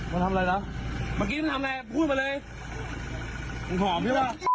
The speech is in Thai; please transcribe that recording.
มาทำอะไรนะเมื่อกี้มึงทำอะไรพูดมาเลยมันหอมใช่ป่ะ